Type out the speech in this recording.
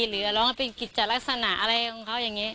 หรือร้องเป็นกิจลักษณะอะไรของเขาอย่างนี้